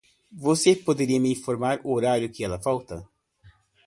Você poderia me informar o horário que ela volta?